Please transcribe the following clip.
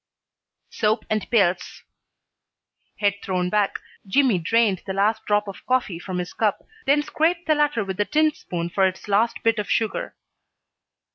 "Soap and pills." Head thrown back, Jimmy drained the last drop of coffee from his cup, then scraped the latter with a tin spoon for its last bit of sugar.